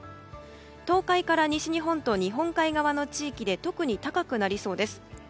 東海から西日本と日本海側の地域で特に高くなりそうです。